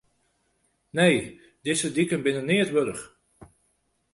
Nee, dizze diken binne neat wurdich.